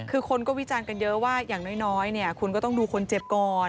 คือคนก็วิจารณ์กันเยอะว่าอย่างน้อยเนี่ยคุณก็ต้องดูคนเจ็บก่อน